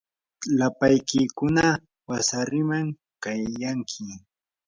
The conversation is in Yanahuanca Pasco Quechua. lapaykiykuna wasariman kayanki.